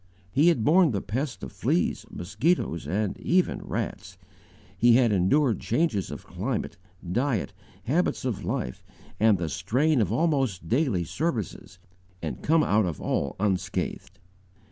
He had borne the pest of fleas, mosquitoes, and even rats. He had endured changes of climate, diet, habits of life, and the strain of almost daily services, and come out of all unscathed.